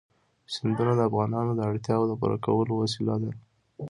سیندونه د افغانانو د اړتیاوو د پوره کولو وسیله ده.